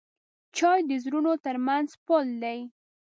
چای د زړونو ترمنځ پل دی.